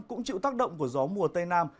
cũng chịu tác động của gió mùa tây nam